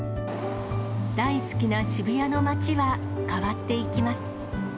大好きな渋谷の街は変わっていきます。